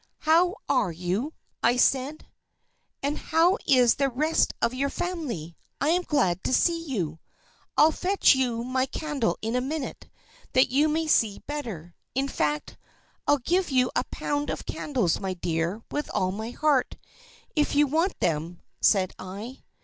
How are you?" said I. "And how is the rest of your family? I am glad to see you. I'll fetch you my candle in a minute, that you may see better. In fact, I'll give you a pound of candles, my dear, with all my heart, if you want them," said I.